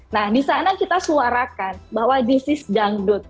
nah di sana kita suarakan bahwa this is dangdut